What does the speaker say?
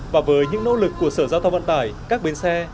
và với những nỗ lực của sở giao thông vận tải các bến xe